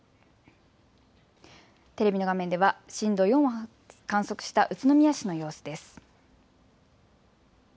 テレビの画面では震度４を観測した宇都宮市の様子です。